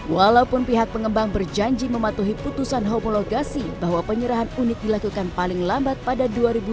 walaupun pihak pengembang berjanji mematuhi putusan homologasi bahwa penyerahan unit dilakukan paling lambat pada dua ribu dua puluh